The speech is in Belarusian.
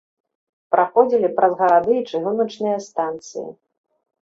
Праходзілі праз гарады і чыгуначныя станцыі.